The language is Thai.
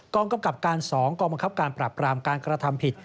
กำกับการ๒กองบังคับการปรับปรามการกระทำผิด